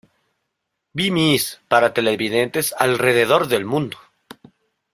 Be Miss para televidentes alrededor del mundo.